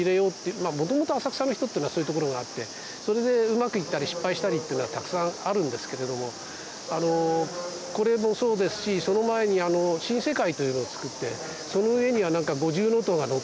まあもともと浅草の人っていうのはそういうところがあってそれでうまくいったり失敗したりっていうのはたくさんあるんですけれどもこれもそうですしその前に新世界というのをつくってその上には何か五重の塔が乗ってたりね。